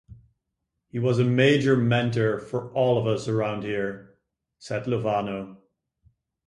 "He was a major mentor for all of us round here," said Lovano.